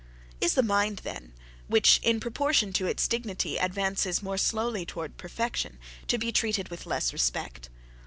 Is the mind then, which, in proportion to its dignity advances more slowly towards perfection, to be treated with less respect?